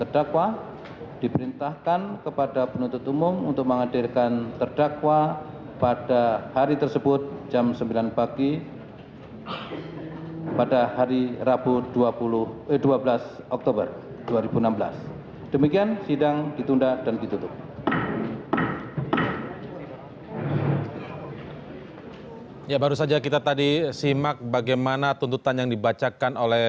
dari jaksa penuntut umum ada yang mau disampaikan